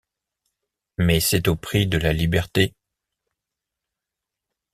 Mais c'est au prix de la liberté.